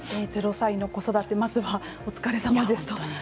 ０歳の子育てまずは、お疲れさまです。